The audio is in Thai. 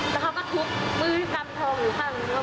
แล้วเขาก็ทุบมือกำทองอยู่ข้างหนึ่ง